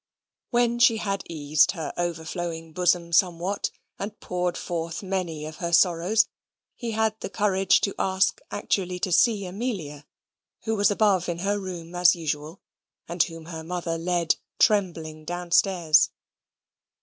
When she had eased her overflowing bosom somewhat, and poured forth many of her sorrows, he had the courage to ask actually to see Amelia, who was above in her room as usual, and whom her mother led trembling downstairs.